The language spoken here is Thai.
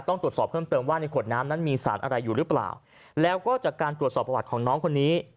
ต้องตรวจสอบเพิ่มเติมว่าในขวดน้ำนั้นมีสารอะไรอยู่หรือเปล่าแล้วก็จากการตรวจสอบประวัติของน้องคนนี้